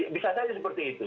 bisa saja seperti itu